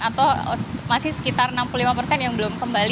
atau masih sekitar enam puluh lima persen yang belum kembali